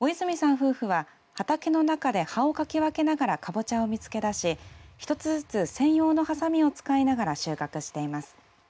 夫婦は、畑の中で葉をかき分けながらかぼちゃを見つけ出し一つずつ専用のはさみを使いながら収穫しています。